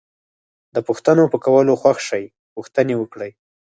د پوښتنو په کولو خوښ شئ پوښتنې وکړئ.